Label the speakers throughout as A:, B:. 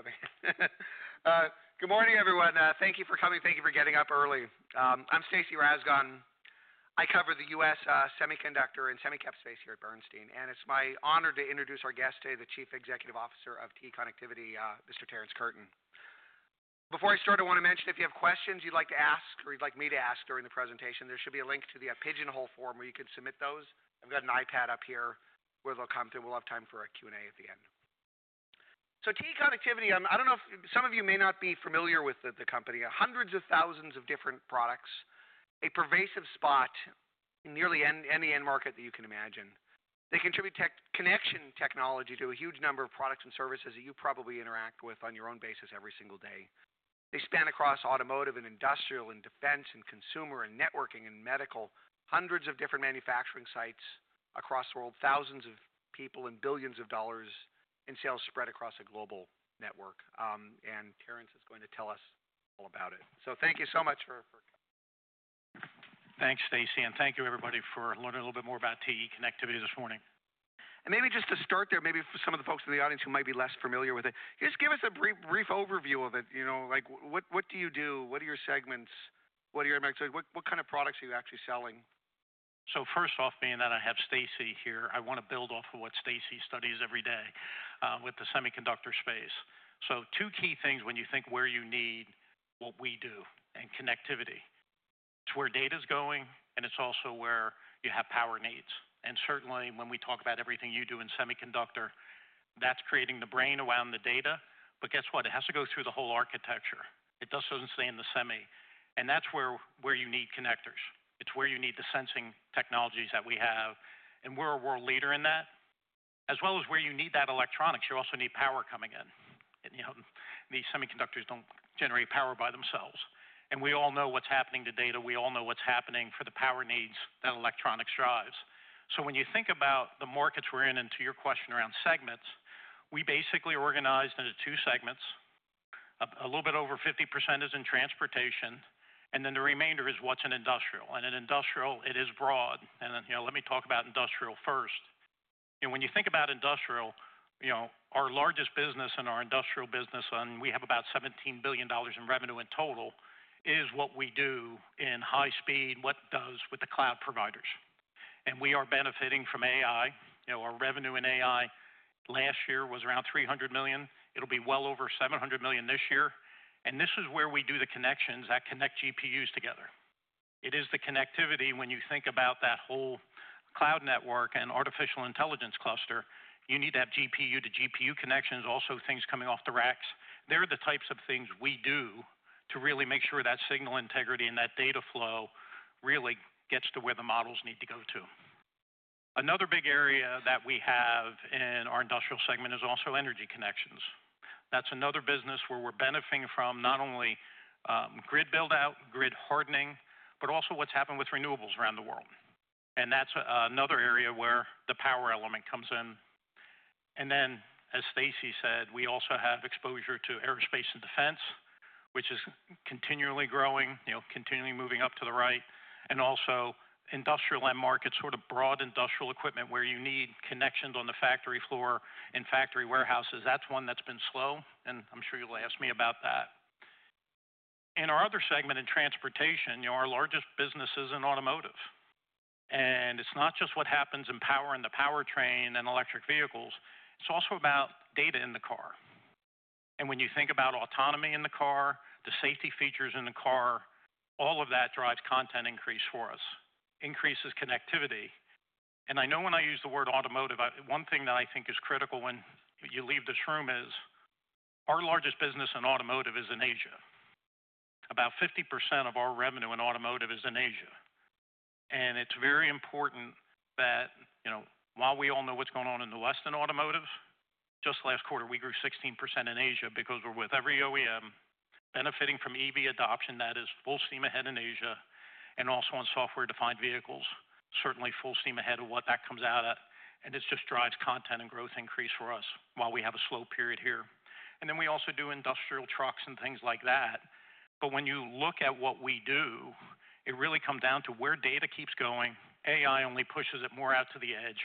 A: Good morning, everyone. Thank you for coming. Thank you for getting up early. I'm Stacey Rasgon. I cover the U.S. semiconductor and semicap space here at Bernstein, and it's my honor to introduce our guest today, the Chief Executive Officer of TE Connectivity, Mr. Terrence Curtin. Before I start, I want to mention, if you have questions you'd like to ask or you'd like me to ask during the presentation, there should be a link to the pigeonhole form where you can submit those. I've got an iPad up here where they'll come through. We'll have time for a Q&A at the end. TE Connectivity, I don't know if some of you may not be familiar with the company. Hundreds of thousands of different products, a pervasive spot in nearly any end market that you can imagine. They contribute tech connection technology to a huge number of products and services that you probably interact with on your own basis every single day. They span across automotive and industrial and defense and consumer and networking and medical. Hundreds of different manufacturing sites across the world, thousands of people and billions of dollars in sales spread across a global network. Terrence is going to tell us all about it. Thank you so much for, for.
B: Thanks, Stacey, and thank you, everybody, for learning a little bit more about TE Connectivity this morning.
A: Maybe just to start there, maybe for some of the folks in the audience who might be less familiar with it, just give us a brief, brief overview of it, you know, like what, what do you do? What are your segments? What are your, what, what kind of products are you actually selling?
B: First off, being that I have Stacey here, I want to build off of what Stacey studies every day, with the semiconductor space. Two key things when you think where you need what we do and connectivity. It's where data's going, and it's also where you have power needs. Certainly when we talk about everything you do in semiconductor, that's creating the brain around the data, but guess what? It has to go through the whole architecture. It doesn't stay in the semi. That's where you need connectors. It's where you need the sensing technologies that we have, and we're a world leader in that, as well as where you need that electronics. You also need power coming in. You know, these semiconductors don't generate power by themselves. We all know what's happening to data. We all know what's happening for the power needs that electronics drives. When you think about the markets we're in, and to your question around segments, we basically organized into two segments. A little bit over 50% is in transportation, and then the remainder is what's in industrial. In industrial, it is broad. You know, let me talk about industrial first. You know, when you think about industrial, you know, our largest business in our industrial business, and we have about $17 billion in revenue in total, is what we do in high speed, what does with the cloud providers. We are benefiting from AI. Our revenue in AI last year was around $300 million. It'll be well over $700 million this year. This is where we do the connections that connect GPUs together. It is the connectivity when you think about that whole cloud network and artificial intelligence cluster. You need to have GPU to GPU connections, also things coming off the racks. They're the types of things we do to really make sure that signal integrity and that data flow really gets to where the models need to go to. Another big area that we have in our industrial segment is also energy connections. That's another business where we're benefiting from not only grid buildout, grid hardening, but also what's happened with renewables around the world. That's another area where the power element comes in. Then, as Stacey said, we also have exposure to aerospace and defense, which is continually growing, you know, continually moving up to the right. Also industrial end markets, sort of broad industrial equipment where you need connections on the factory floor and factory warehouses. That's one that's been slow, and I'm sure you'll ask me about that. In our other segment in transportation, you know, our largest business is in automotive. It's not just what happens in power and the powertrain and electric vehicles. It's also about data in the car. When you think about autonomy in the car, the safety features in the car, all of that drives content increase for us, increases connectivity. I know when I use the word automotive, one thing that I think is critical when you leave this room is our largest business in automotive is in Asia. About 50% of our revenue in automotive is in Asia. It's very important that, you know, while we all know what's going on in the West in automotive, just last quarter, we grew 16% in Asia because we're with every OEM benefiting from EV adoption. That is full steam ahead in Asia and also on software-defined vehicles, certainly full steam ahead of what that comes out at. It just drives content and growth increase for us while we have a slow period here. We also do industrial trucks and things like that. When you look at what we do, it really comes down to where data keeps going. AI only pushes it more out to the edge.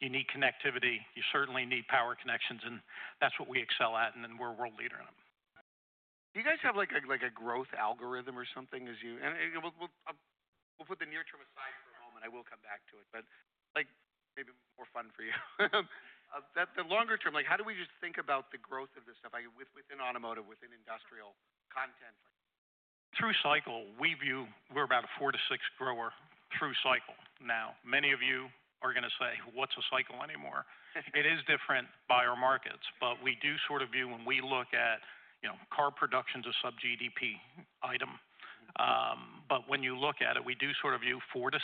B: You need connectivity. You certainly need power connections, and that's what we excel at, and then we're a world leader in them.
A: Do you guys have like a, like a growth algorithm or something as you—and we'll put the near term aside for a moment. I will come back to it, but like maybe more fun for you, the longer term, like how do we just think about the growth of this stuff? Like within automotive, within industrial content?
B: Through cycle, we view we're about a 4-6 grower through cycle now. Many of you are gonna say, "What's a cycle anymore?" It is different by our markets, but we do sort of view when we look at, you know, car production's a sub-GDP item. When you look at it, we do sort of view 4-6.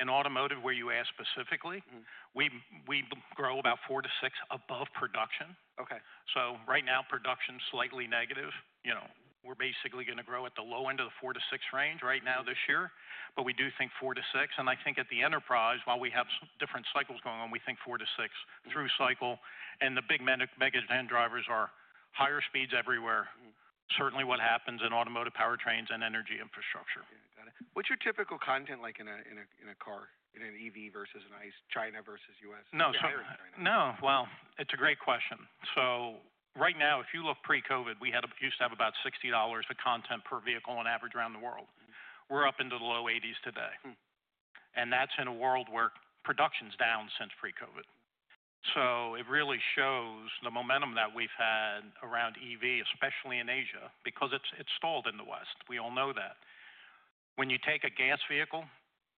B: In automotive, where you ask specifically, we grow about 4-6 above production.
A: Okay.
B: Right now, production's slightly negative. You know, we're basically gonna grow at the low end of the four-six range right now this year, but we do think four-six. I think at the enterprise, while we have different cycles going on, we think four-six through cycle. The big megagen drivers are higher speeds everywhere. Certainly what happens in automotive powertrains and energy infrastructure.
A: Yeah. Got it. What's your typical content like in a car, in an EV versus an ICE, China versus U.S.?
B: No, no. It is a great question. Right now, if you look pre-COVID, we used to have about $60 of content per vehicle on average around the world. We are up into the low eighties today. That is in a world where production is down since pre-COVID. It really shows the momentum that we have had around EV, especially in Asia, because it is stalled in the West. We all know that. When you take a gas vehicle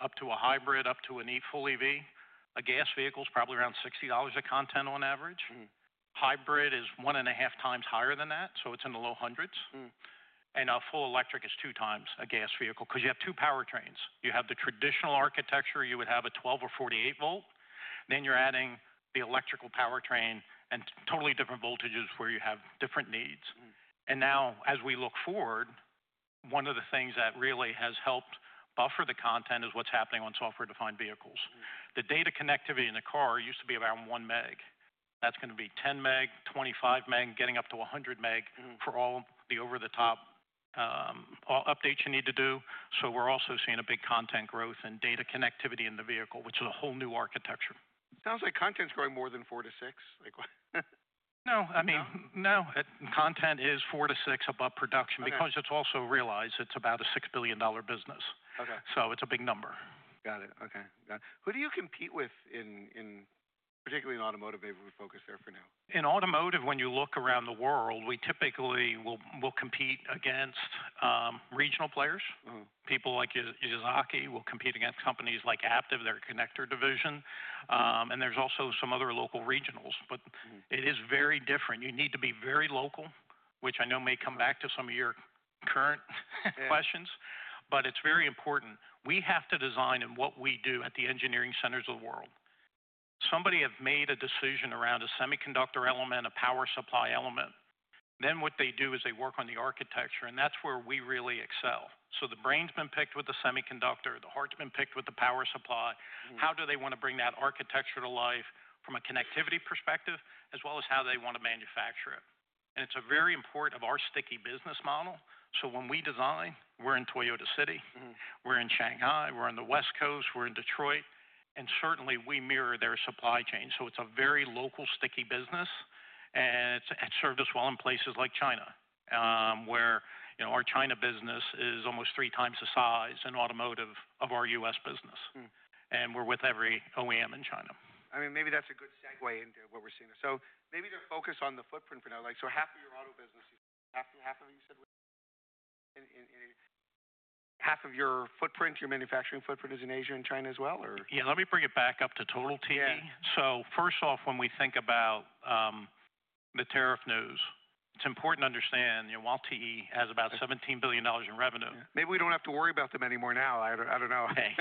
B: up to a hybrid, up to a full EV, a gas vehicle is probably around $60 of content on average. Hybrid is one and a half times higher than that, so it is in the low hundreds. A full electric is 2x a gas vehicle because you have two powertrains. You have the traditional architecture, you would have a 12 or 48 volt, then you're adding the electrical powertrain and totally different voltages where you have different needs. Now, as we look forward, one of the things that really has helped buffer the content is what's happening on software-defined vehicles. The data connectivity in a car used to be around one meg. That's gonna be 10 meg, 25 meg, getting up to 100 meg for all the over-the-top, updates you need to do. We are also seeing a big content growth in data connectivity in the vehicle, which is a whole new architecture.
A: Sounds like content's growing more than four-six. Like what?
B: No, I mean, no. Content is four to six above production because it's also realized it's about a $6 billion business.
A: Okay.
B: It's a big number.
A: Got it. Okay. Got it. Who do you compete with in, in particularly in automotive? Maybe we focus there for now.
B: In automotive, when you look around the world, we typically will compete against regional players. People like Yazaki will compete against companies like Aptiv, their connector division. And there's also some other local regionals, but it is very different. You need to be very local, which I know may come back to some of your current questions, but it's very important. We have to design in what we do at the engineering centers of the world. Somebody has made a decision around a semiconductor element, a power supply element, then what they do is they work on the architecture, and that's where we really excel. So the brain's been picked with the semiconductor, the heart's been picked with the power supply. How do they wanna bring that architecture to life from a connectivity perspective, as well as how they wanna manufacture it? It is a very important part of our sticky business model. When we design, we are in Toyota City, we are in Shanghai, we are on the West Coast, we are in Detroit, and certainly we mirror their supply chain. It is a very local sticky business, and it has served us well in places like China, where, you know, our China business is almost 3x the size in automotive of our U.S. business. We are with every OEM in China.
A: I mean, maybe that's a good segue into what we're seeing here. Maybe to focus on the footprint for now, like half of your auto business, half of your footprint, your manufacturing footprint is in Asia and China as well, or?
B: Yeah. Let me bring it back up to total TE.
A: Yeah.
B: First off, when we think about the tariff news, it's important to understand, you know, while TE has about $17 billion in revenue.
A: Maybe we don't have to worry about them anymore now. I don't know. Hey.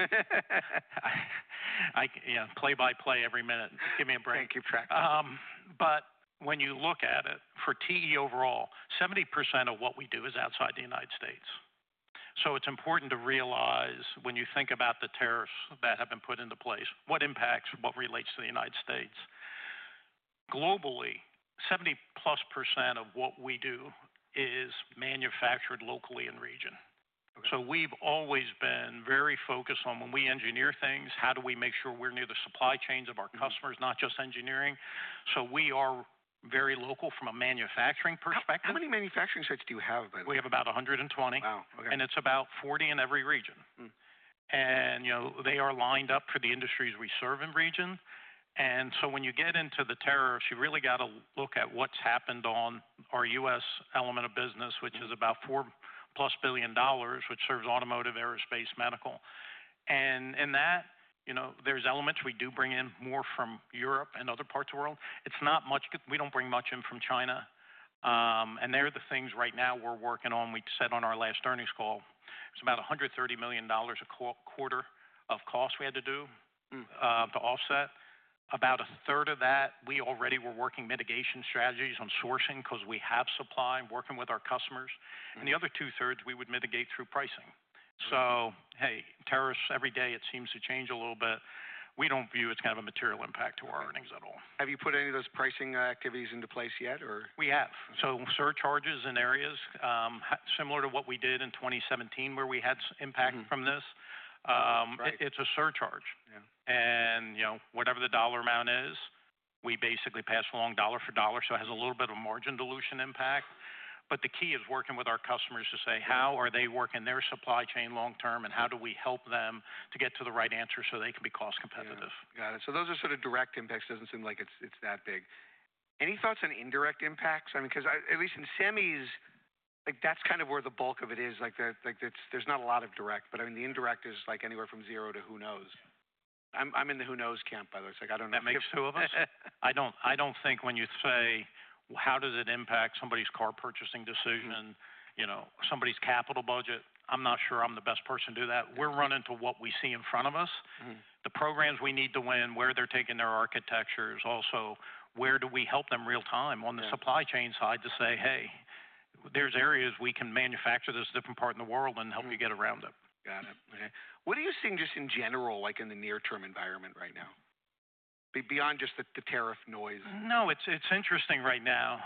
B: I, yeah, play by play every minute. Give me a break.
A: Can't keep track.
B: But when you look at it for TE overall, 70% of what we do is outside the United States. So it's important to realize when you think about the tariffs that have been put into place, what impacts and what relates to the United States. Globally, 70%+ of what we do is manufactured locally in region. We have always been very focused on when we engineer things, how do we make sure we are near the supply chains of our customers, not just engineering? We are very local from a manufacturing perspective.
A: How many manufacturing sites do you have?
B: We have about 120.
A: Wow. Okay.
B: It's about 40 in every region. You know, they are lined up for the industries we serve in region. When you get into the tariffs, you really gotta look at what's happened on our U.S. element of business, which is about $4+ billion, which serves automotive, aerospace, medical. In that, you know, there's elements we do bring in more from Europe and other parts of the world. It's not much, we do not bring much in from China. They're the things right now we're working on. We said on our last earnings call, it's about $130 million a quarter of cost we had to do to offset. About a third of that, we already were working mitigation strategies on sourcing 'cause we have supply and working with our customers. The other two thirds, we would mitigate through pricing. Hey, tariffs every day, it seems to change a little bit. We do not view it as kind of a material impact to our earnings at all.
A: Have you put any of those pricing activities into place yet?
B: We have surcharges in areas, similar to what we did in 2017 where we had impact from this. It's a surcharge.
A: Yeah.
B: You know, whatever the dollar amount is, we basically pass along dollar for dollar, so it has a little bit of a margin dilution impact. The key is working with our customers to say, how are they working their supply chain long-term, and how do we help them to get to the right answer so they can be cost competitive?
A: Got it. Those are sort of direct impacts. Does not seem like it is that big. Any thoughts on indirect impacts? I mean, because I, at least in semis, like that is kind of where the bulk of it is. Like that, like it is, there is not a lot of direct, but I mean, the indirect is like anywhere from zero to who knows. I am in the who knows camp, by the way. It is like, I do not know.
B: That makes two of us. I do not, I do not think when you say, how does it impact somebody's car purchasing decision, you know, somebody's capital budget, I am not sure I am the best person to do that. We are running to what we see in front of us. The programs we need to win, where they are taking their architectures, also where do we help them real time on the supply chain side to say, hey, there are areas we can manufacture this different part in the world and help you get around it.
A: Got it. Okay. What are you seeing just in general, like in the near term environment right now, beyond just the tariff noise?
B: No, it's, it's interesting right now.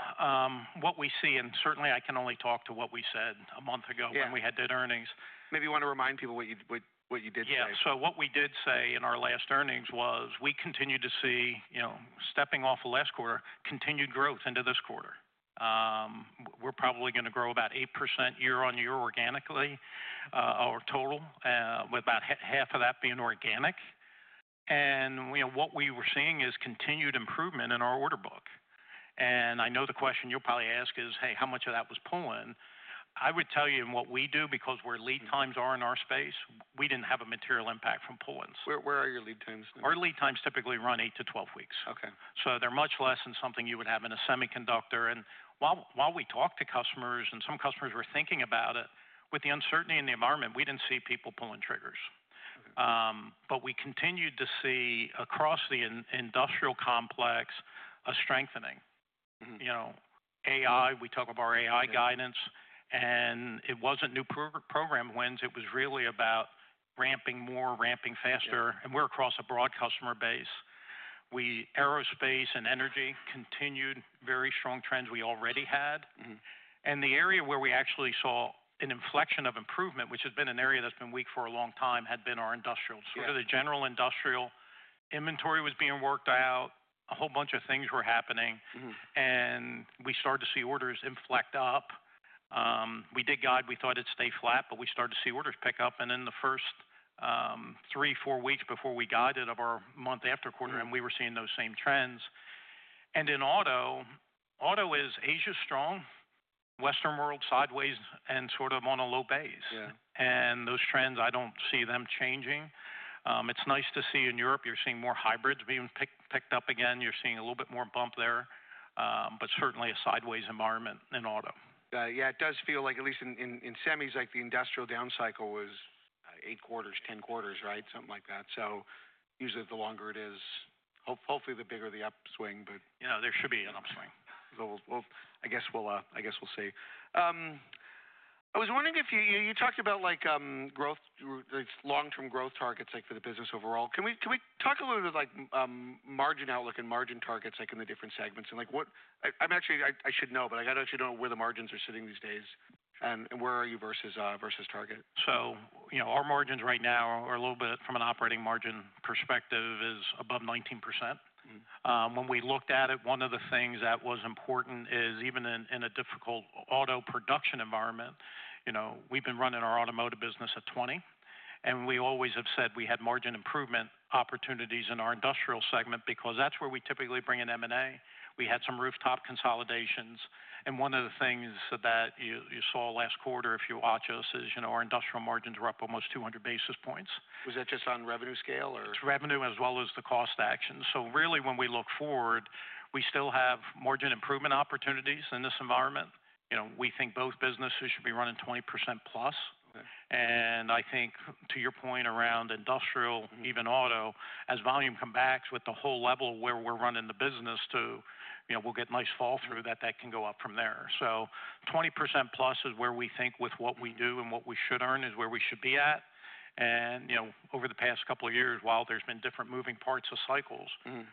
B: What we see, and certainly I can only talk to what we said a month ago when we did earnings.
A: Maybe you wanna remind people what you did say.
B: Yeah. What we did say in our last earnings was we continue to see, you know, stepping off the last quarter, continued growth into this quarter. We are probably gonna grow about 8% year-on-year organically, our total, with about half of that being organic. And, you know, what we were seeing is continued improvement in our order book. I know the question you'll probably ask is, hey, how much of that was pulling? I would tell you in what we do, because where lead times are in our space, we did not have a material impact from pullings.
A: Where are your lead times now?
B: Our lead times typically run eight to 12 weeks.
A: Okay.
B: They're much less than something you would have in a semiconductor. While we talked to customers and some customers were thinking about it, with the uncertainty in the environment, we did not see people pulling triggers. We continued to see across the industrial complex a strengthening. You know, AI, we talk about our AI guidance, and it was not new program wins. It was really about ramping more, ramping faster. We are across a broad customer base. We, aerospace and energy continued very strong trends we already had. The area where we actually saw an inflection of improvement, which has been an area that has been weak for a long time, had been our industrials.
A: Sure.
B: The general industrial inventory was being worked out. A whole bunch of things were happening. We started to see orders inflect up. We did guide, we thought it'd stay flat, but we started to see orders pick up. In the first three, four weeks before we guided of our month after quarter, we were seeing those same trends. In auto, auto is Asia strong, Western world sideways and sort of on a low base.
A: Yeah.
B: Those trends, I do not see them changing. It is nice to see in Europe, you are seeing more hybrids being picked up again. You are seeing a little bit more bump there. Certainly a sideways environment in auto.
A: Got it. Yeah. It does feel like at least in, in semis, like the industrial down cycle was eight quarters, 10 quarters, right? Something like that. Usually the longer it is, hopefully the bigger the upswing.
B: You know, there should be an upswing.
A: I guess we'll see. I was wondering if you talked about, like, growth, like long-term growth targets, like for the business overall. Can we talk a little bit of, like, margin outlook and margin targets, like in the different segments and what I, I'm actually, I should know, but I gotta actually know where the margins are sitting these days and where are you versus target?
B: You know, our margins right now are a little bit, from an operating margin perspective, above 19%. When we looked at it, one of the things that was important is even in a difficult auto production environment, you know, we've been running our automotive business at 20%. We always have said we had margin improvement opportunities in our industrial segment because that's where we typically bring in M&A. We had some rooftop consolidations. One of the things that you saw last quarter, if you watch us, is, you know, our industrial margins were up almost 200 basis points.
A: Was that just on revenue scale or?
B: It's revenue as well as the cost action. Really, when we look forward, we still have margin improvement opportunities in this environment. You know, we think both businesses should be running 20%+. I think to your point around industrial, even auto, as volume comebacks with the whole level of where we're running the business to, you know, we'll get nice fall through that can go up from there. 20%+ is where we think with what we do and what we should earn is where we should be at. You know, over the past couple of years, while there's been different moving parts of cycles,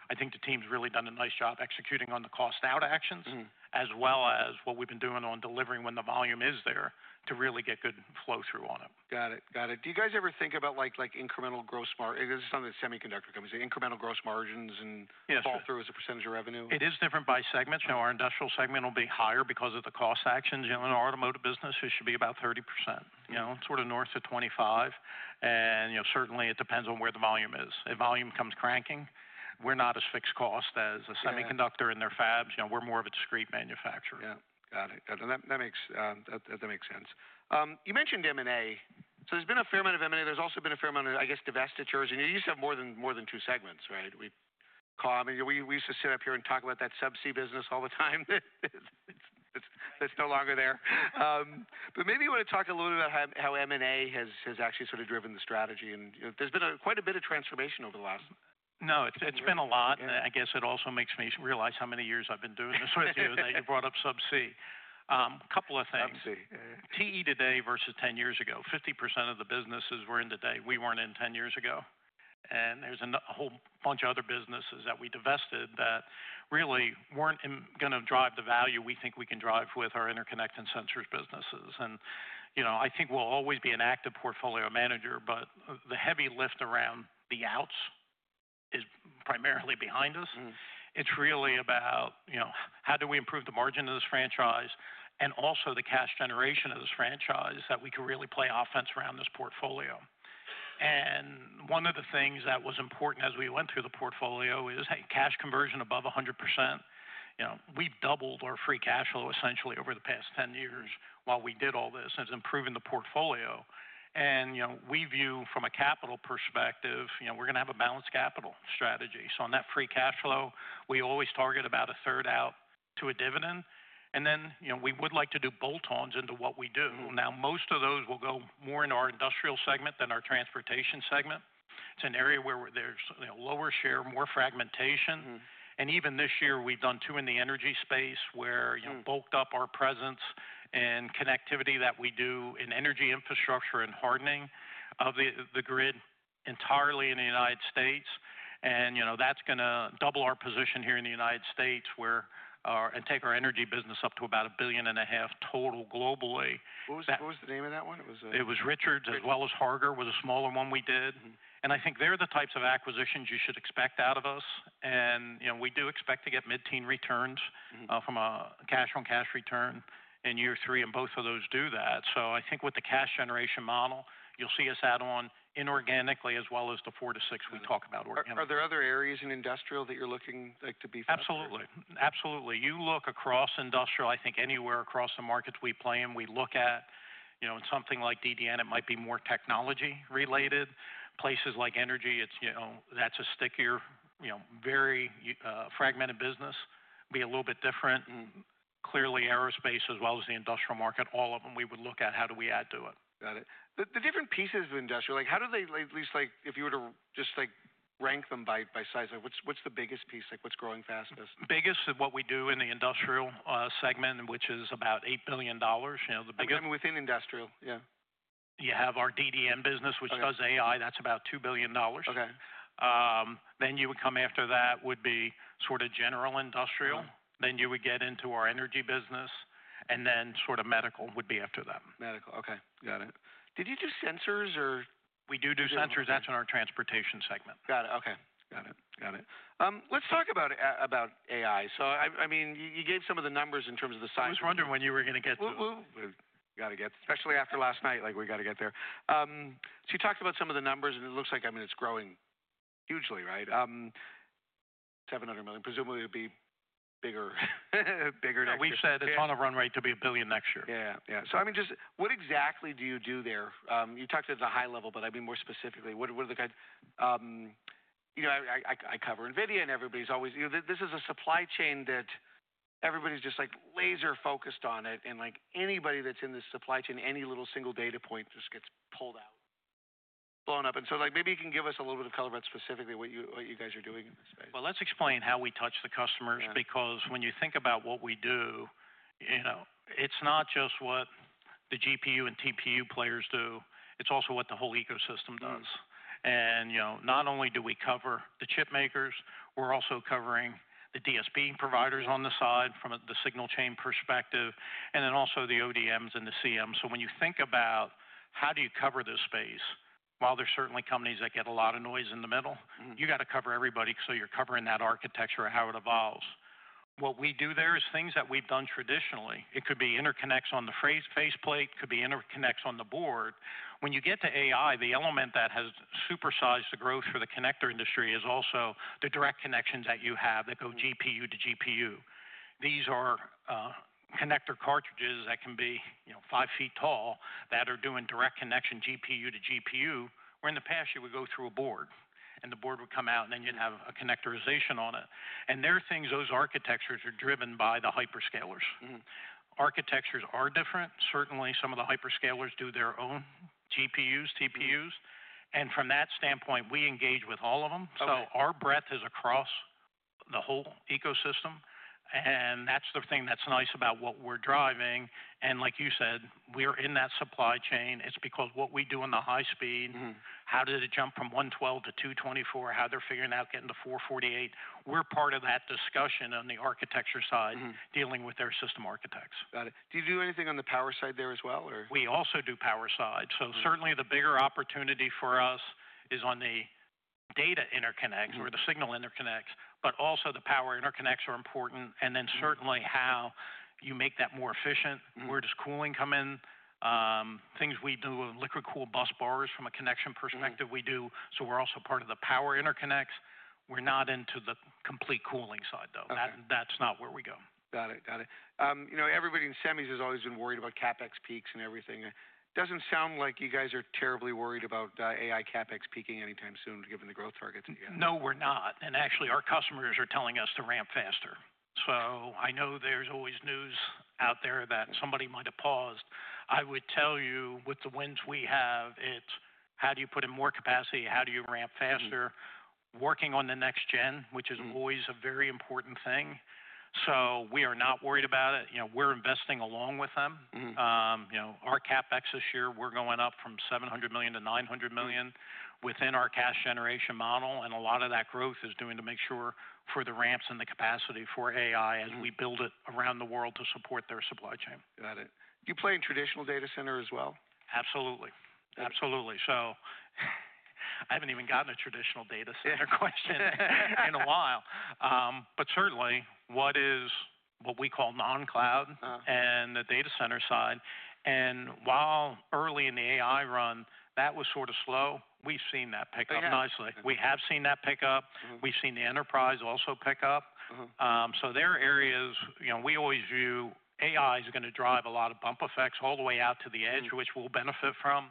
B: I think the team's really done a nice job executing on the cost out actions as well as what we've been doing on delivering when the volume is there to really get good flow through on it.
A: Got it. Got it. Do you guys ever think about, like, incremental gross margin? This is something that semiconductor companies, incremental gross margins and fall through as a percentage of revenue?
B: It is different by segment. You know, our industrial segment will be higher because of the cost actions. You know, in our automotive business, it should be about 30%, you know, sort of north of 25%. You know, certainly it depends on where the volume is. If volume comes cranking, we're not as fixed cost as a semiconductor and their fabs. You know, we're more of a discreet manufacturer.
A: Yeah. Got it. Got it. That makes sense. You mentioned M&A. There's been a fair amount of M&A. There's also been a fair amount of, I guess, divestitures. You used to have more than two segments, right? I mean, we used to sit up here and talk about that subsea business all the time. It's no longer there. Maybe you want to talk a little bit about how M&A has actually sort of driven the strategy and, you know, there's been quite a bit of transformation over the last.
B: No, it's, it's been a lot. I guess it also makes me realize how many years I've been doing this with you that you brought up subsea. A couple of things.
A: Subsea.
B: TE today versus 10 years ago. 50% of the businesses we are in today we were not in 10 years ago. There is a whole bunch of other businesses that we divested that really were not going to drive the value we think we can drive with our interconnect and sensors businesses. You know, I think we will always be an active portfolio manager, but the heavy lift around the outs is primarily behind us. It is really about, you know, how do we improve the margin of this franchise and also the cash generation of this franchise that we can really play offense around this portfolio. One of the things that was important as we went through the portfolio is, hey, cash conversion above 100%. You know, we have doubled our free cash flow essentially over the past 10 years while we did all this. It is improving the portfolio. You know, we view from a capital perspective, you know, we're gonna have a balanced capital strategy. On that free cash flow, we always target about a third out to a dividend. You know, we would like to do bolt-ons into what we do. Most of those will go more in our industrial segment than our transportation segment. It's an area where there's, you know, lower share, more fragmentation. Even this year, we've done two in the energy space where, you know, bulked up our presence in connectivity that we do in energy infrastructure and hardening of the grid entirely in the United States. You know, that's gonna double our position here in the United States and take our energy business up to about $1.5 billion total globally.
A: What was, what was the name of that one? It was a.
B: It was Richards as well as Harger was a smaller one we did. I think they're the types of acquisitions you should expect out of us. You know, we do expect to get mid-teen returns, from a cash on cash return in year three. Both of those do that. I think with the cash generation model, you'll see us add on inorganically as well as the four-six we talk about organically.
A: Are there other areas in industrial that you're looking like to be focused on?
B: Absolutely. Absolutely. You look across industrial, I think anywhere across the markets we play in, we look at, you know, in something like Digital Data Networks, it might be more technology related. Places like energy, it's, you know, that's a stickier, you know, very fragmented business, be a little bit different. Clearly aerospace as well as the industrial market, all of them, we would look at how do we add to it.
A: Got it. The different pieces of industrial, like how do they, at least like if you were to just like rank them by size, like what's the biggest piece? Like what's growing fastest?
B: Biggest of what we do in the industrial segment, which is about $8 billion. You know, the biggest.
A: Within industrial, yeah.
B: You have our DDN business, which does AI. That's about $2 billion.
A: Okay.
B: you would come after that would be sort of general industrial. You would get into our energy business. Sort of medical would be after that.
A: Medical. Okay. Got it. Did you do sensors or?
B: We do sensors. That's in our transportation segment.
A: Got it. Okay. Got it. Got it. Let's talk about, about AI. I mean, you gave some of the numbers in terms of the size.
B: I was wondering when you were gonna get to.
A: We gotta get. Especially after last night, like we gotta get there. You talked about some of the numbers and it looks like, I mean, it's growing hugely, right? $700 million. Presumably it'd be bigger.
B: We've said it's on a run rate to be a billion next year.
A: Yeah. Yeah. I mean, just what exactly do you do there? You talked at the high level, but I mean, more specifically, what are the kinds? You know, I cover NVIDIA and everybody's always, you know, this is a supply chain that everybody's just like laser focused on it. Like anybody that's in this supply chain, any little single data point just gets pulled out, blown up. Maybe you can give us a little bit of color about specifically what you guys are doing in this space.
B: Let us explain how we touch the customers. Because when you think about what we do, you know, it is not just what the GPU and TPU players do. It is also what the whole ecosystem does. And, you know, not only do we cover the chip makers, we are also covering the DSP providers on the side from the signal chain perspective, and then also the ODMs and the CMs. You know, when you think about how do you cover this space, while there are certainly companies that get a lot of noise in the middle, you gotta cover everybody. You are covering that architecture or how it evolves. What we do there is things that we have done traditionally. It could be interconnects on the face plate. It could be interconnects on the board. When you get to AI, the element that has supersized the growth for the connector industry is also the direct connections that you have that go GPU to GPU. These are connector cartridges that can be, you know, five feet tall that are doing direct connection GPU to GPU, where in the past you would go through a board and the board would come out and then you would have a connectorization on it. And there are things, those architectures are driven by the hyperscalers. Architectures are different. Certainly some of the hyperscalers do their own GPUs, TPUs. And from that standpoint, we engage with all of them. So our breadth is across the whole ecosystem. That is the thing that is nice about what we are driving. Like you said, we are in that supply chain. It's because what we do in the high speed, how did it jump from 112 to 224, how they're figuring out getting to 448. We're part of that discussion on the architecture side, dealing with their system architects.
A: Got it. Do you do anything on the power side there as well or?
B: We also do power side. Certainly the bigger opportunity for us is on the data interconnects or the signal interconnects, but also the power interconnects are important. Then certainly how you make that more efficient. Where does cooling come in? Things we do with liquid cool bus bars from a connection perspective we do. We are also part of the power interconnects. We are not into the complete cooling side though. That is not where we go.
A: Got it. Got it. You know, everybody in semis has always been worried about CapEx peaks and everything. Doesn't sound like you guys are terribly worried about AI CapEx peaking anytime soon given the growth targets that you have.
B: No, we're not. Actually, our customers are telling us to ramp faster. I know there's always news out there that somebody might've paused. I would tell you with the wins we have, it's how do you put in more capacity? How do you ramp faster? Working on the next gen, which is always a very important thing. We are not worried about it. You know, we're investing along with them. You know, our CapEx this year, we're going up from $700 million to $900 million within our cash generation model. A lot of that growth is to make sure for the ramps and the capacity for AI as we build it around the world to support their supply chain.
A: Got it. Do you play in traditional data center as well?
B: Absolutely. Absolutely. I have not even gotten a traditional data center
A: question
B: in a while, but certainly what is what we call non-cloud and the data center side. While early in the AI run, that was sort of slow, we have seen that pick up nicely. We have seen that pick up. We have seen the enterprise also pick up. There are areas, you know, we always view AI is going to drive a lot of bump effects all the way out to the edge, which we will benefit from.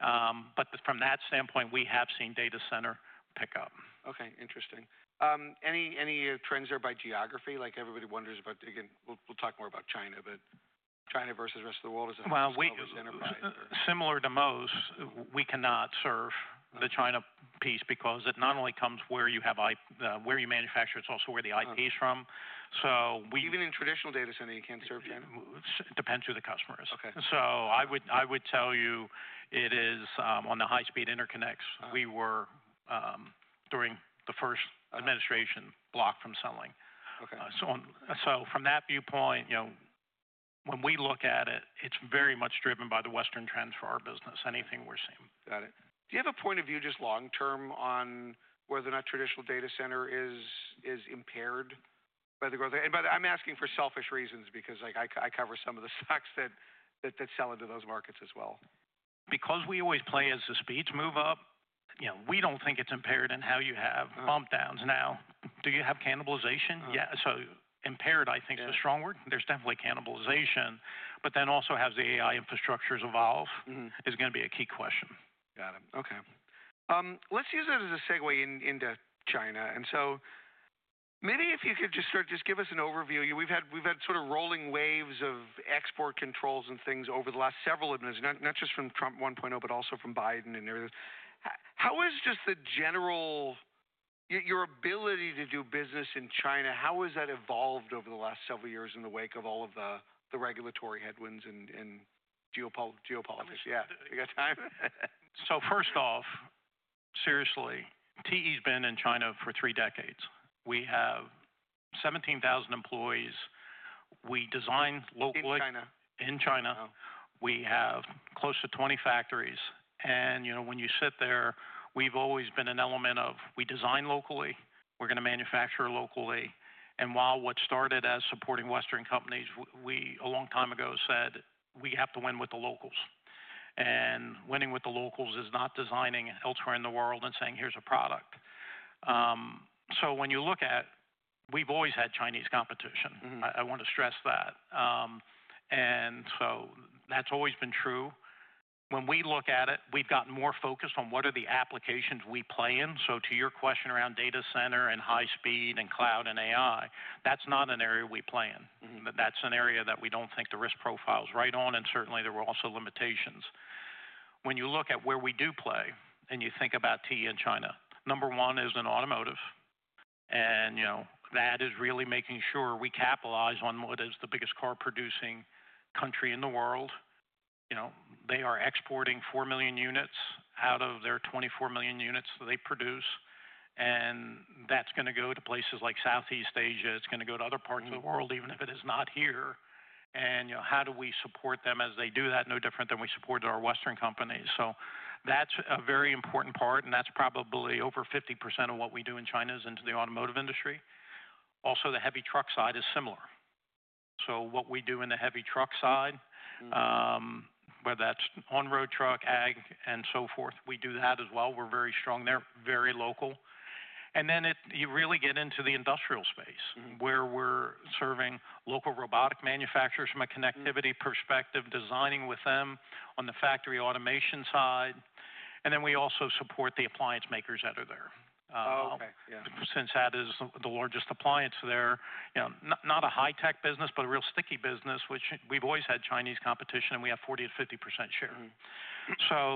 B: From that standpoint, we have seen data center pick up.
A: Okay. Interesting. Any, any trends there by geography? Like everybody wonders about, again, we'll, we'll talk more about China, but China versus the rest of the world is a highly siloed enterprise.
B: Similar to most, we cannot serve the China piece because it not only comes where you have IP, where you manufacture, it's also where the IP is from. So we.
A: Even in traditional data center, you can't serve China?
B: It depends who the customer is. I would tell you it is, on the high speed interconnects. We were, during the first administration, blocked from selling. From that viewpoint, you know, when we look at it, it's very much driven by the Western trends for our business. Anything we're seeing.
A: Got it. Do you have a point of view just long term on whether or not traditional data center is impaired by the growth? And by the, I'm asking for selfish reasons because like I cover some of the stocks that sell into those markets as well.
B: Because we always play as the speeds move up, you know, we do not think it is impaired in how you have bump downs. Now, do you have cannibalization? Yeah. Impaired, I think, is a strong word. There is definitely cannibalization, but then also as the AI infrastructures evolve is going to be a key question.
A: Got it. Okay. Let's use it as a segue into China. Maybe if you could just start, just give us an overview. We've had sort of rolling waves of export controls and things over the last several administrations, not just from Trump 1.0, but also from Biden and everything. How is just the general, your ability to do business in China, how has that evolved over the last several years in the wake of all of the regulatory headwinds and geopolitics? Yeah. You got time?
B: First off, seriously, TE's been in China for three decades. We have 17,000 employees. We design locally.
A: In China.
B: In China. We have close to 20 factories. And, you know, when you sit there, we've always been an element of we design locally, we're gonna manufacture locally. While what started as supporting Western companies, we, a long time ago said we have to win with the locals. Winning with the locals is not designing elsewhere in the world and saying, here's a product. When you look at it, we've always had Chinese competition. I want to stress that. That's always been true. When we look at it, we've gotten more focused on what are the applications we play in. To your question around data center and high speed and cloud and AI, that's not an area we play in. That's an area that we don't think the risk profile's right on. Certainly there were also limitations. When you look at where we do play and you think about TE in China, number one is in automotive. And, you know, that is really making sure we capitalize on what is the biggest car producing country in the world. You know, they are exporting 4 million units out of their 24 million units that they produce. And that's gonna go to places like Southeast Asia. It's gonna go to other parts of the world, even if it is not here. And, you know, how do we support them as they do that? No different than we supported our Western companies. So that's a very important part. And that's probably over 50% of what we do in China is into the automotive industry. Also, the heavy truck side is similar. What we do in the heavy truck side, whether that is on-road truck, ag, and so forth, we do that as well. We are very strong there, very local. It really gets into the industrial space where we are serving local robotic manufacturers from a connectivity perspective, designing with them on the factory automation side. We also support the appliance makers that are there, since that is the largest appliance there. You know, not a high tech business, but a real sticky business, which we have always had Chinese competition and we have 40%-50% share.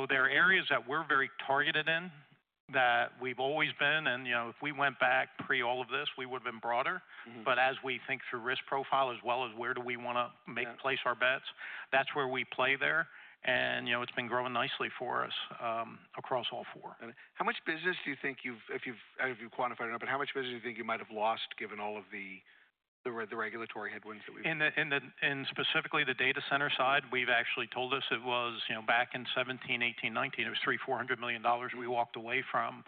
B: There are areas that we are very targeted in that we have always been. You know, if we went back pre all of this, we would have been broader. As we think through risk profile as well as where do we wanna place our bets, that's where we play there. And, you know, it's been growing nicely for us, across all four.
A: How much business do you think you've, if you've quantified it or not, but how much business do you think you might've lost given all of the regulatory headwinds that we've had?
B: In specifically the data center side, we've actually told us it was, you know, back in 2017, 2018, 2019, it was $300 million-$400 million we walked away from,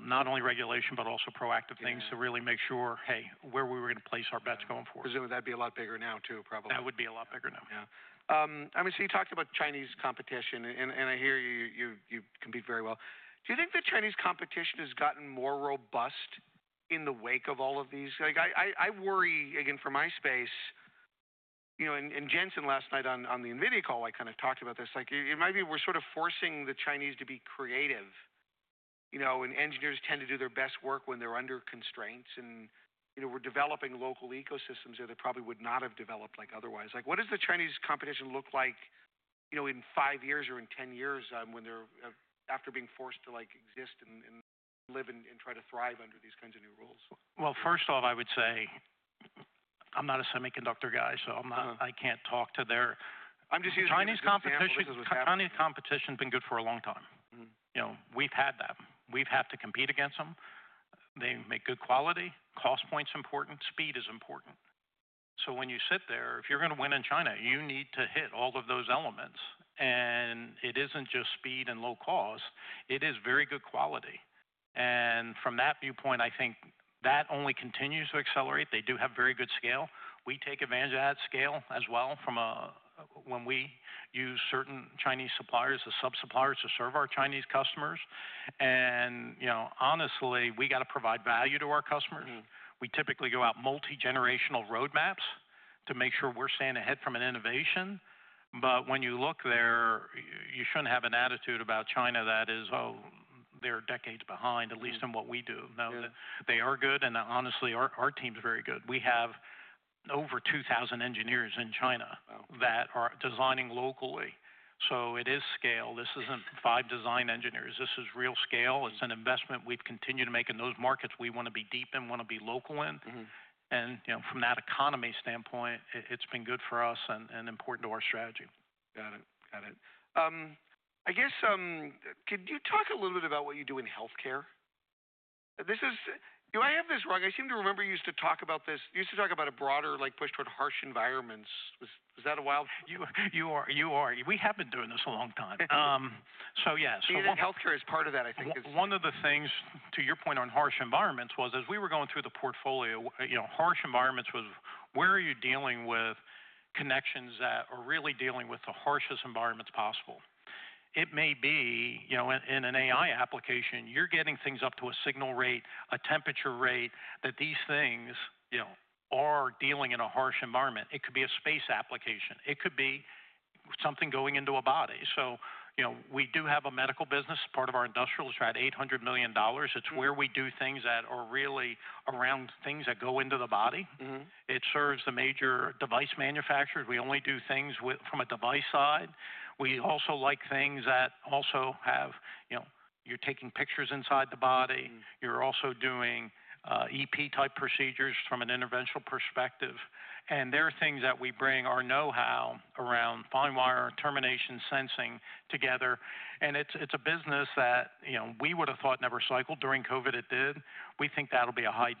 B: not only regulation, but also proactive things to really make sure, hey, where we were gonna place our bets going forward.
A: Presumably that'd be a lot bigger now too, probably.
B: That would be a lot bigger now.
A: Yeah. I mean, you talked about Chinese competition and I hear you, you compete very well. Do you think that Chinese competition has gotten more robust in the wake of all of these? Like, I worry again for my space, you know, and Jensen last night on the NVIDIA call kind of talked about this. Like, it might be we're sort of forcing the Chinese to be creative, you know, and engineers tend to do their best work when they're under constraints. And, you know, we're developing local ecosystems that they probably would not have developed otherwise. What does the Chinese competition look like in five years or in 10 years, when they're, after being forced to exist and live and try to thrive under these kinds of new rules?
B: First off, I would say I'm not a semiconductor guy, so I'm not, I can't talk to their Chinese competition. Chinese competition has been good for a long time. You know, we've had that. We've had to compete against them. They make good quality. Cost point's important. Speed is important. If you're gonna win in China, you need to hit all of those elements. It isn't just speed and low cost. It is very good quality. From that viewpoint, I think that only continues to accelerate. They do have very good scale. We take advantage of that scale as well when we use certain Chinese suppliers as sub-suppliers to serve our Chinese customers. You know, honestly, we gotta provide value to our customers. We typically go out multi-generational roadmaps to make sure we're staying ahead from an innovation. When you look there, you should not have an attitude about China that is, oh, they are decades behind, at least in what we do. No, they are good. And honestly, our team's very good. We have over 2,000 engineers in China that are designing locally. So it is scale. This is not five design engineers. This is real scale. It is an investment we have continued to make in those markets we want to be deep in, want to be local in. And, you know, from that economy standpoint, it has been good for us and important to our strategy.
A: Got it. Got it. I guess, could you talk a little bit about what you do in healthcare? This is, do I have this wrong? I seem to remember you used to talk about this. You used to talk about a broader, like push toward harsh environments. Was that a while?
B: You are. We have been doing this a long time, so yeah. So one.
A: I think healthcare is part of that, I think is.
B: One of the things to your point on harsh environments was as we were going through the portfolio, you know, harsh environments was where are you dealing with connections that are really dealing with the harshest environments possible? It may be, you know, in, in an AI application, you're getting things up to a signal rate, a temperature rate that these things, you know, are dealing in a harsh environment. It could be a space application. It could be something going into a body. You know, we do have a medical business. Part of our industrial is right at $800 million. It is where we do things that are really around things that go into the body. It serves the major device manufacturers. We only do things with from a device side. We also like things that also have, you know, you're taking pictures inside the body. You're also doing EP type procedures from an interventional perspective. There are things that we bring our know-how around fine wire termination sensing together. It's a business that, you know, we would've thought never cycled during COVID. It did. We think that'll be a high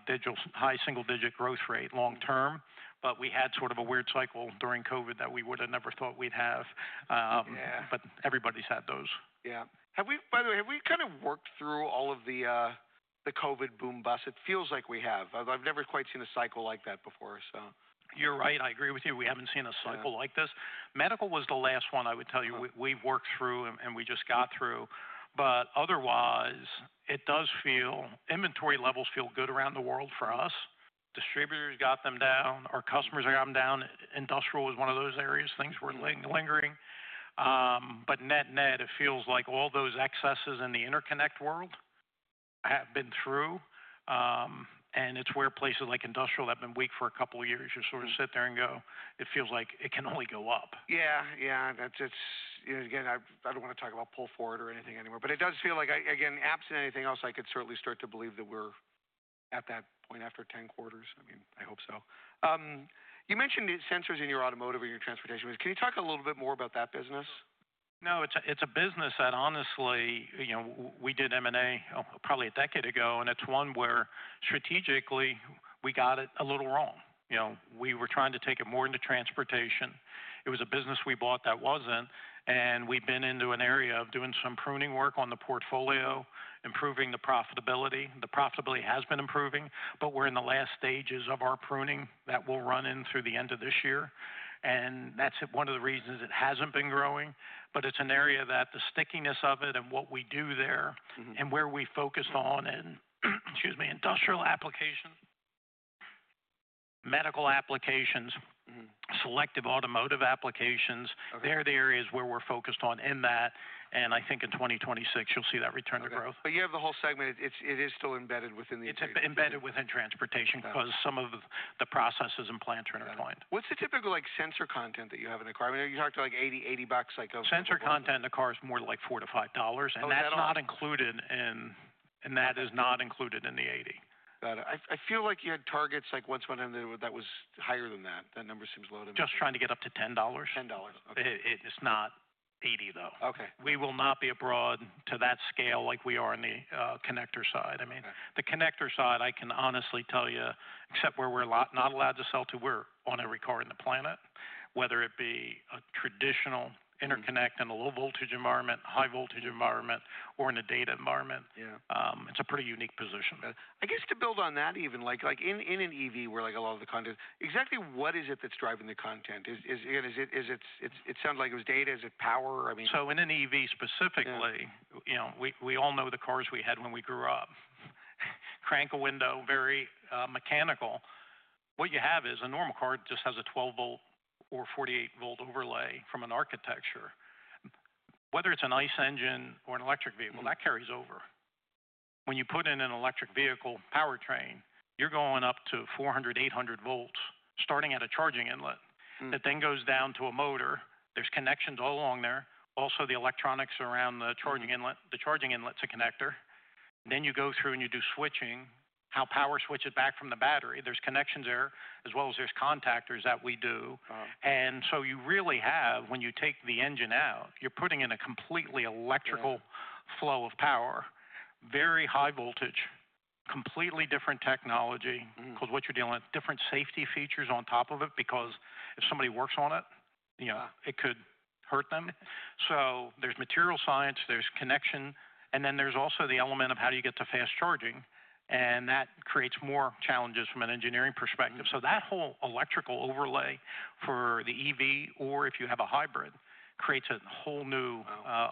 B: single digit growth rate long term. We had sort of a weird cycle during COVID that we would've never thought we'd have. Everybody's had those.
A: Yeah. Have we, by the way, have we kind of worked through all of the COVID boom bust? It feels like we have. I've never quite seen a cycle like that before.
B: You're right. I agree with you. We haven't seen a cycle like this. Medical was the last one I would tell you we've worked through and we just got through. Otherwise, it does feel inventory levels feel good around the world for us. Distributors got them down. Our customers have got them down. Industrial was one of those areas. Things were lingering. Net, net, it feels like all those excesses in the interconnect world have been through. It's where places like industrial have been weak for a couple of years. You sort of sit there and go, it feels like it can only go up.
A: Yeah. Yeah. That's, it's, you know, again, I, I don't wanna talk about pull forward or anything anymore, but it does feel like I, again, apps and anything else, I could certainly start to believe that we're at that point after 10 quarters. I mean, I hope so. You mentioned sensors in your automotive or your transportation business. Can you talk a little bit more about that business?
B: No, it's a business that honestly, you know, we did M&A probably a decade ago, and it's one where strategically we got it a little wrong. You know, we were trying to take it more into transportation. It was a business we bought that wasn't. We've been into an area of doing some pruning work on the portfolio, improving the profitability. The profitability has been improving, but we're in the last stages of our pruning that we'll run in through the end of this year. That's one of the reasons it hasn't been growing, but it's an area that the stickiness of it and what we do there and where we focused on and, excuse me, industrial applications, medical applications, selective automotive applications, they're the areas where we're focused on in that. I think in 2026, you'll see that return to growth.
A: You have the whole segment. It's still embedded within the.
B: It's embedded within transportation 'cause some of the processes and plants are intertwined.
A: What's the typical like sensor content that you have in a car? I mean, you talked to like $80, $80 bucks like a.
B: Sensor content in a car is more like $4-$5. And that's not included in, and that is not included in the $80.
A: Got it. I feel like you had targets once in there that was higher than that. That number seems low to me.
B: Just trying to get up to $10.
A: $10. Okay.
B: It, it's not $80 though.
A: Okay.
B: We will not be abroad to that scale like we are in the connector side. I mean, the connector side, I can honestly tell you, except where we're not allowed to sell to, we're on every car on the planet, whether it be a traditional interconnect in a low voltage environment, high voltage environment, or in a data environment. It's a pretty unique position.
A: I guess to build on that even, like, in an EV where like a lot of the content, exactly what is it that's driving the content? Is it, is it, it sounded like it was data. Is it power? I mean.
B: In an EV specifically, you know, we all know the cars we had when we grew up. Crank a window, very mechanical. What you have is a normal car just has a 12 volt or 48 volt overlay from an architecture. Whether it's an ICE engine or an electric vehicle, that carries over. When you put in an electric vehicle powertrain, you're going up to 400, 800 volts starting at a charging inlet that then goes down to a motor. There's connections all along there. Also, the electronics around the charging inlet, the charging inlet to connector. You go through and you do switching, how power switches back from the battery. There's connections there as well as there's contactors that we do. You really have, when you take the engine out, you're putting in a completely electrical flow of power, very high voltage, completely different technology. 'Cause what you're dealing with, different safety features on top of it, because if somebody works on it, you know, it could hurt them. There is material science, there is connection, and then there is also the element of how do you get to fast charging. That creates more challenges from an engineering perspective. That whole electrical overlay for the EV, or if you have a hybrid, creates a whole new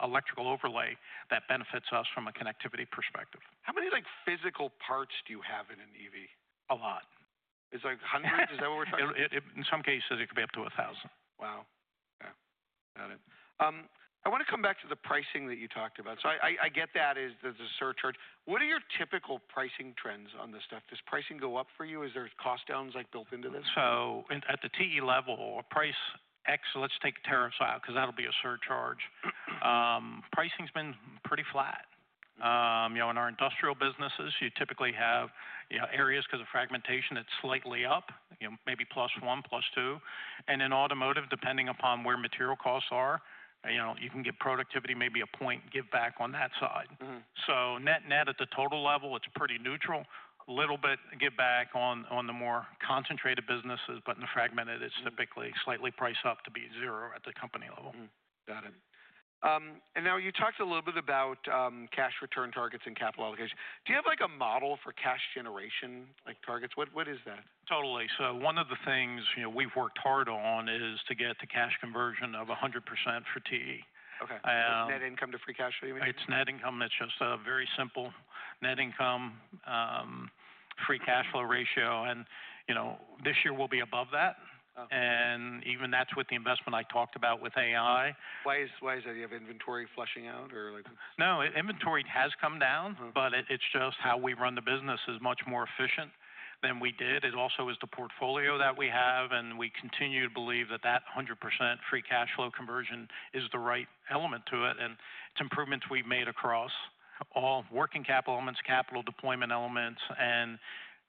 B: electrical overlay that benefits us from a connectivity perspective.
A: How many like physical parts do you have in an EV?
B: A lot.
A: It's like hundreds? Is that what we're talking about?
B: In some cases, it could be up to a thousand.
A: Wow. Okay. Got it. I wanna come back to the pricing that you talked about. So I get that is there's a surcharge. What are your typical pricing trends on this stuff? Does pricing go up for you? Is there cost downs like built into this?
B: At the TE level, a price X, let's take tariffs out 'cause that'll be a surcharge. Pricing's been pretty flat. You know, in our industrial businesses, you typically have, you know, areas 'cause of fragmentation, it's slightly up, maybe plus one, plus two. In automotive, depending upon where material costs are, you can get productivity, maybe a point give back on that side. Net, net at the total level, it's pretty neutral. A little bit give back on the more concentrated businesses, but in the fragmented, it's typically slightly priced up to be zero at the company level.
A: Got it. And now you talked a little bit about cash return targets and capital allocation. Do you have like a model for cash generation, like targets? What, what is that?
B: Totally. One of the things, you know, we've worked hard on is to get the cash conversion of 100% for TE.
A: Okay. Is it net income to free cash flow?
B: It's net income. It's just a very simple net income, free cash flow ratio. You know, this year we'll be above that. Even that's with the investment I talked about with AI.
A: Why is that? Do you have inventory flushing out or like?
B: No, inventory has come down, but it is just how we run the business is much more efficient than we did. It also is the portfolio that we have. We continue to believe that that 100% free cash flow conversion is the right element to it. It is improvements we have made across all working capital elements, capital deployment elements.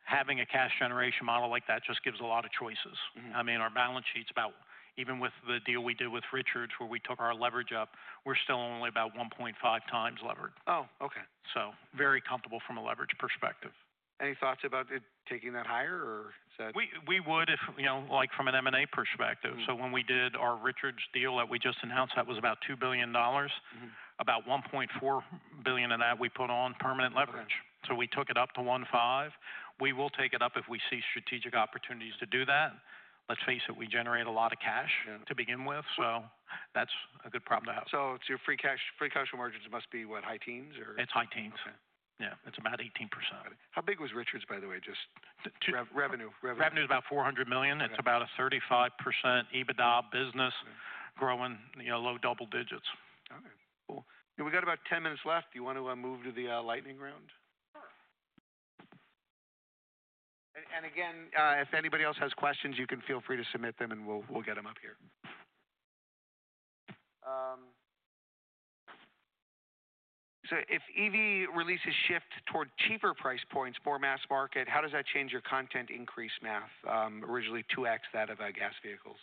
B: Having a cash generation model like that just gives a lot of choices. I mean, our balance sheet is about, even with the deal we did with Richards where we took our leverage up, we are still only about 1.5x leverage.
A: Oh, okay.
B: Very comfortable from a leverage perspective.
A: Any thoughts about it taking that higher or is that?
B: We would, if you know, like from an M&A perspective. When we did our Richards deal that we just announced, that was about $2 billion, about $1.4 billion of that we put on permanent leverage. We took it up to $1.5 billion. We will take it up if we see strategic opportunities to do that. Let's face it, we generate a lot of cash to begin with. That's a good problem to have.
A: So your free cash, free cash conversions must be what, high teens or?
B: It's high teens. Yeah. It's about 18%.
A: How big was Richards Manufacturing, by the way? Just revenue, revenue.
B: Revenue's about $400 million. It's about a 35% EBITDA business growing, you know, low double digits.
A: Okay. Cool. And we got about 10 minutes left. Do you wanna move to the lightning round? And again, if anybody else has questions, you can feel free to submit them and we'll get 'em up here. So if EV releases shift toward cheaper price points, more mass market, how does that change your content increase math? Originally 2x that of gas vehicles.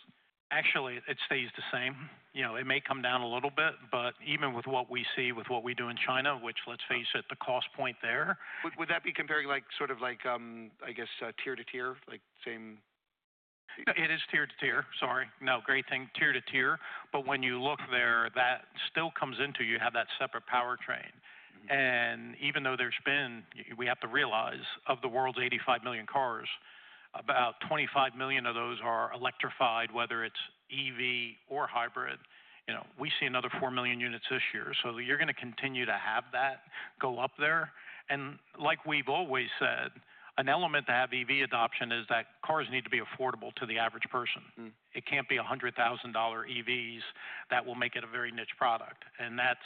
B: Actually, it stays the same. You know, it may come down a little bit, but even with what we see with what we do in China, which, let's face it, the cost point there.
A: Would that be comparing like sort of like, I guess, tier to tier, like same?
B: It is tier to tier. Sorry. No, great thing. Tier to tier. When you look there, that still comes into you have that separate powertrain. Even though there's been, we have to realize of the world's 85 million cars, about 25 million of those are electrified, whether it's EV or hybrid. You know, we see another 4 million units this year. You're gonna continue to have that go up there. Like we've always said, an element to have EV adoption is that cars need to be affordable to the average person. It can't be $100,000 EVs that will make it a very niche product. That's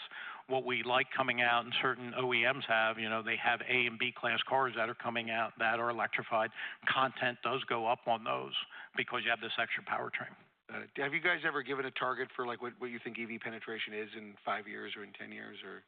B: what we like coming out and certain OEMs have, you know, they have A and B class cars that are coming out that are electrified. Content does go up on those because you have this extra powertrain.
A: Got it. Have you guys ever given a target for like what, what you think EV penetration is in five years or in 10 years or?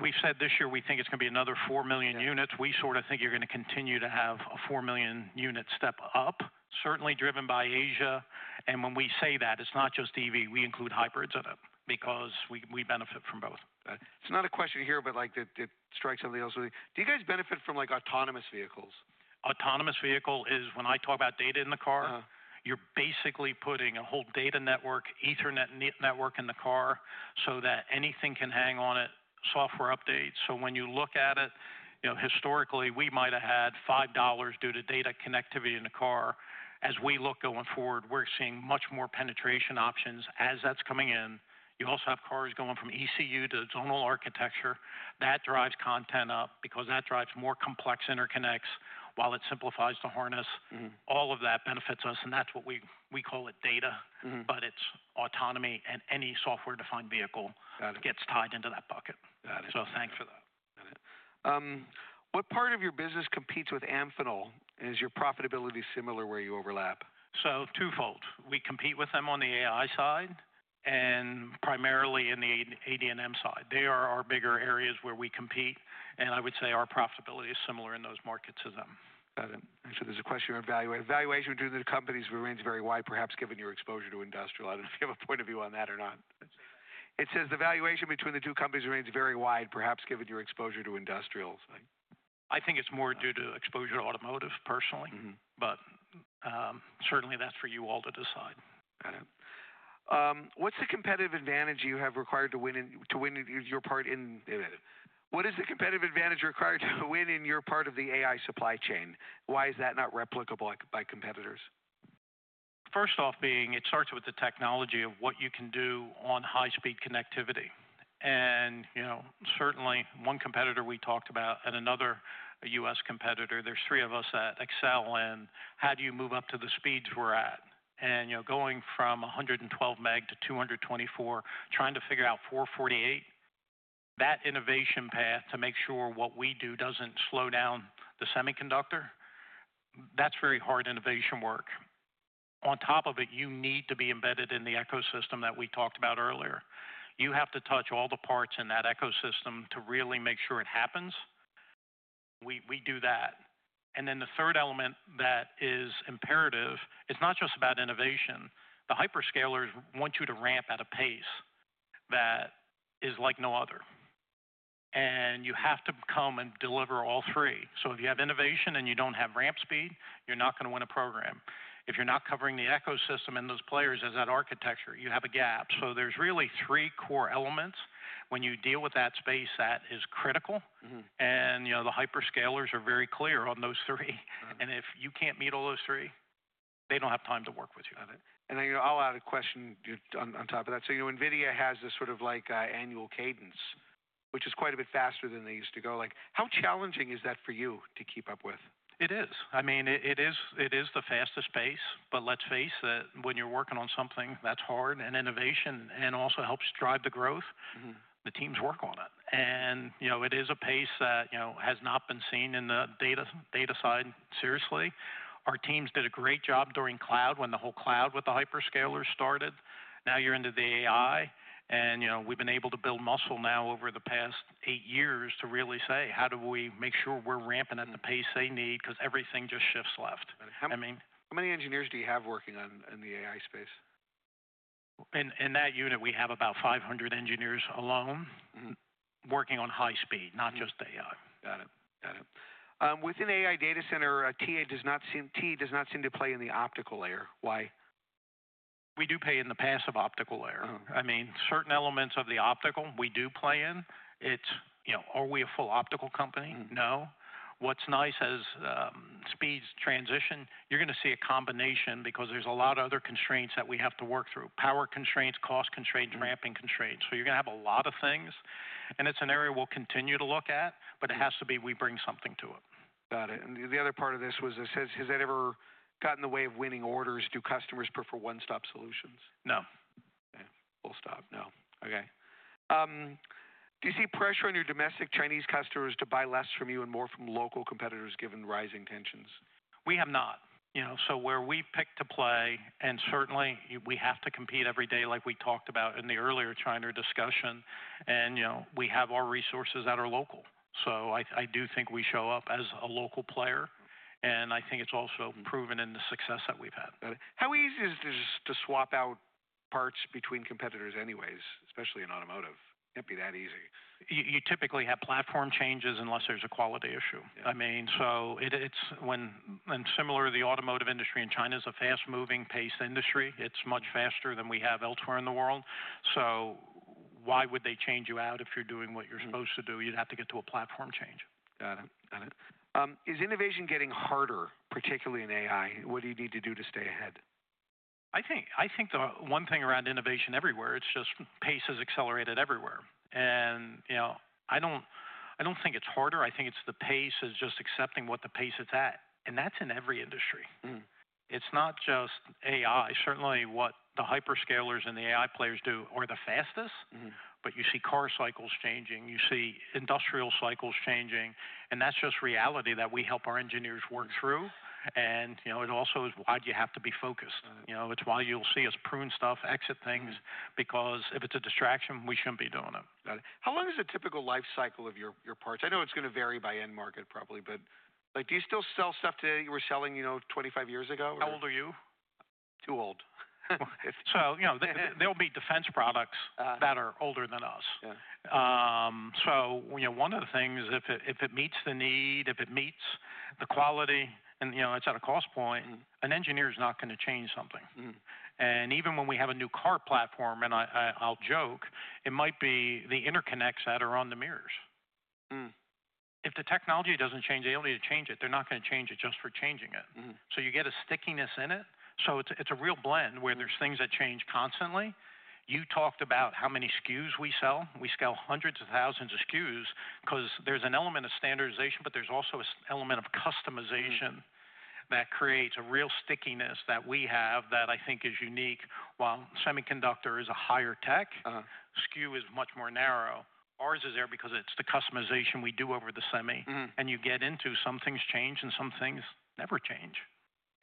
B: We've said this year we think it's gonna be another 4 million units. We sort of think you're gonna continue to have a 4 million unit step up, certainly driven by Asia. When we say that, it's not just EV, we include hybrids in it because we benefit from both.
A: It's not a question here, but like to, to strike something else with you. Do you guys benefit from like autonomous vehicles?
B: Autonomous vehicle is when I talk about data in the car, you're basically putting a whole data network, ethernet network in the car so that anything can hang on it, software updates. When you look at it, you know, historically we might've had $5 due to data connectivity in the car. As we look going forward, we're seeing much more penetration options as that's coming in. You also have cars going from ECU to zonal architecture. That drives content up because that drives more complex interconnects while it simplifies the harness. All of that benefits us. That's what we, we call it data, but it's autonomy and any software-defined vehicle gets tied into that bucket. Thanks for that.
A: Got it. What part of your business competes with Amphenol? Is your profitability similar where you overlap?
B: Twofold. We compete with them on the AI side and primarily in the AD&M side. They are our bigger areas where we compete. I would say our profitability is similar in those markets as them.
A: Got it. So there's a question of evaluation. Evaluation between the two companies remains very wide, perhaps given your exposure to industrial. I don't know if you have a point of view on that or not. It says the valuation between the two companies remains very wide, perhaps given your exposure to industrial.
B: I think it's more due to exposure to automotive personally, but certainly that's for you all to decide.
A: Got it. What's the competitive advantage you have required to win in, to win your part in? What is the competitive advantage required to win in your part of the AI supply chain? Why is that not replicable by competitors?
B: First off being, it starts with the technology of what you can do on high-speed connectivity. And, you know, certainly one competitor we talked about and another US competitor, there are three of us that excel in how do you move up to the speeds we're at. And, you know, going from 112 meg-224 meg, trying to figure out 448, that innovation path to make sure what we do does not slow down the semiconductor, that is very hard innovation work. On top of it, you need to be embedded in the ecosystem that we talked about earlier. You have to touch all the parts in that ecosystem to really make sure it happens. We do that. And then the third element that is imperative, it is not just about innovation. The hyperscalers want you to ramp at a pace that is like no other. You have to come and deliver all three. If you have innovation and you do not have ramp speed, you are not going to win a program. If you are not covering the ecosystem and those players as that architecture, you have a gap. There are really three core elements when you deal with that space that is critical. You know, the hyperscalers are very clear on those three. If you cannot meet all those three, they do not have time to work with you.
A: Got it. You know, I'll add a question on top of that. You know, NVIDIA has this sort of, like, annual cadence, which is quite a bit faster than they used to go. Like, how challenging is that for you to keep up with?
B: It is. I mean, it is the fastest pace. Let's face it, when you're working on something that's hard and innovation and also helps drive the growth, the teams work on it. You know, it is a pace that, you know, has not been seen in the data side seriously. Our teams did a great job during cloud when the whole cloud with the hyperscalers started. Now you're into the AI and, you know, we've been able to build muscle now over the past eight years to really say, how do we make sure we're ramping at the pace they need? 'Cause everything just shifts left.
A: How many engineers do you have working on, in the AI space?
B: In that unit, we have about 500 engineers alone working on high speed, not just AI.
A: Got it. Got it. Within AI data center, TE does not seem to play in the optical layer. Why?
B: We do pay in the passive optical layer. I mean, certain elements of the optical we do play in. It's, you know, are we a full optical company? No. What's nice is, as speeds transition, you're gonna see a combination because there's a lot of other constraints that we have to work through: power constraints, cost constraints, ramping constraints. You're gonna have a lot of things. It's an area we'll continue to look at, but it has to be we bring something to it.
A: Got it. The other part of this was, has that ever gotten in the way of winning orders? Do customers prefer one-stop solutions?
B: No.
A: Okay. Full stop. No. Okay. Do you see pressure on your domestic Chinese customers to buy less from you and more from local competitors given rising tensions?
B: We have not, you know. Where we pick to play and certainly we have to compete every day like we talked about in the earlier China discussion. You know, we have our resources that are local. I do think we show up as a local player. I think it is also proven in the success that we have had.
A: Got it. How easy is it to swap out parts between competitors anyways, especially in automotive? Can't be that easy.
B: You typically have platform changes unless there's a quality issue. I mean, it is when, and similar to the automotive industry in China, it is a fast-moving pace industry. It is much faster than we have elsewhere in the world. Why would they change you out if you're doing what you're supposed to do? You'd have to get to a platform change.
A: Got it. Got it. Is innovation getting harder, particularly in AI? What do you need to do to stay ahead?
B: I think the one thing around innovation everywhere, it's just pace has accelerated everywhere. And, you know, I don't think it's harder. I think it's the pace is just accepting what the pace it's at. And that's in every industry. It's not just AI. Certainly what the hyperscalers and the AI players do are the fastest, but you see car cycles changing, you see industrial cycles changing. And that's just reality that we help our engineers work through. And, you know, it also is why do you have to be focused? You know, it's why you'll see us prune stuff, exit things, because if it's a distraction, we shouldn't be doing it.
A: Got it. How long is the typical life cycle of your, your parts? I know it's gonna vary by end market probably, but like, do you still sell stuff today you were selling, you know, 25 years ago?
B: How old are you?
A: Too old.
B: You know, there'll be defense products that are older than us. You know, one of the things, if it meets the need, if it meets the quality and, you know, it's at a cost point, an engineer's not gonna change something. Even when we have a new car platform, and I'll joke, it might be the interconnects that are on the mirrors. If the technology doesn't change, they don't need to change it. They're not gonna change it just for changing it. You get a stickiness in it. It's a real blend where there's things that change constantly. You talked about how many SKUs we sell. We sell hundreds of thousands of SKUs because there's an element of standardization, but there's also an element of customization that creates a real stickiness that we have that I think is unique. While semiconductor is a higher tech, SKU is much more narrow. Ours is there because it's the customization we do over the semi. You get into some things change and some things never change.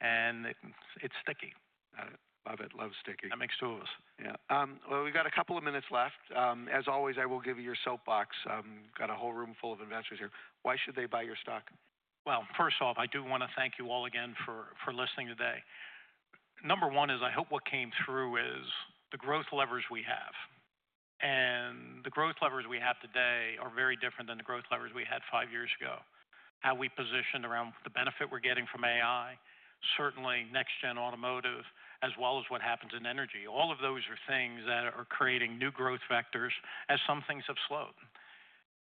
B: It is sticky.
A: Got it. Love it. Love sticky.
B: That makes two of us.
A: Yeah. We have got a couple of minutes left. As always, I will give you your soapbox. Got a whole room full of investors here. Why should they buy your stock?
B: First off, I do wanna thank you all again for listening today. Number one is I hope what came through is the growth leverage we have. The growth leverage we have today are very different than the growth leverage we had five years ago. How we positioned around the benefit we're getting from AI, certainly next-gen automotive, as well as what happens in energy. All of those are things that are creating new growth factors as some things have slowed.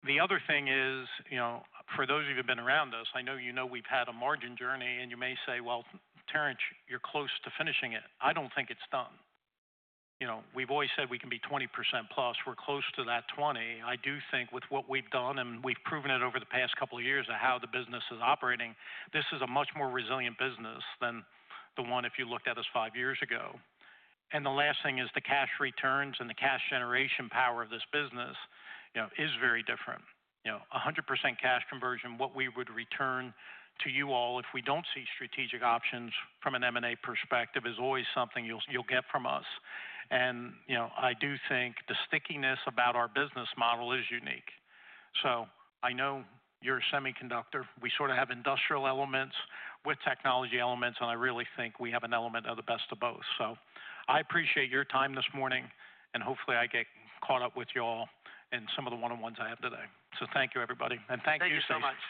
B: The other thing is, you know, for those of you who've been around us, I know, you know, we've had a margin journey and you may say, well, Terrence, you're close to finishing it. I don't think it's done. You know, we've always said we can be 20%+. We're close to that 20%. I do think with what we've done and we've proven it over the past couple of years of how the business is operating, this is a much more resilient business than the one if you looked at us five years ago. The last thing is the cash returns and the cash generation power of this business, you know, is very different. You know, 100% cash conversion, what we would return to you all if we do not see strategic options from an M&A perspective is always something you will get from us. You know, I do think the stickiness about our business model is unique. I know you are a semiconductor. We sort of have industrial elements with technology elements. I really think we have an element of the best of both. I appreciate your time this morning and hopefully I get caught up with y'all in some of the one-on-ones I have today. Thank you, everybody.
A: Thank you so much.